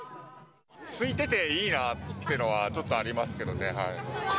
すいてていいなってのは、ちょっとありますけどね。